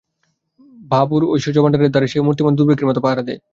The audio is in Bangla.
বাবুর ঐশ্বর্যভাণ্ডারের দ্বারে সে মূর্তিমান দুর্ভিক্ষের মতো পাহারা দেয়।